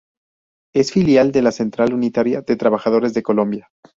Es filial de la Central Unitaria de Trabajadores de Colombia.